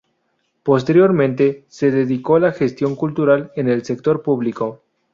Posteriormente, se dedicó a la gestión cultural en el sector público.